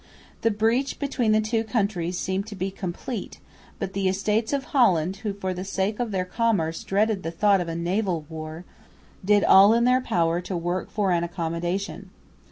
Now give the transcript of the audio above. The breach between the two countries seemed to be complete, but the Estates of Holland, who for the sake of their commerce dreaded the thought of a naval war, did all in their power to work for an accommodation.